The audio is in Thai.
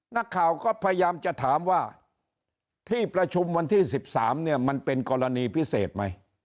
นักข่าวก็พยายามจะถามว่าที่ประชุมวันที่๑๓เนี่ยมันเป็นกรณีพิเศษไหม